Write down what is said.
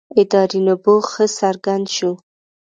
ادارې نبوغ ښه څرګند شو.